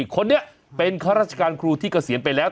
คนนี้เป็นข้าราชการครูที่เกษียณไปแล้ว